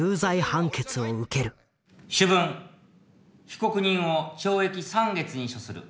「主文被告人を懲役３月に処する」。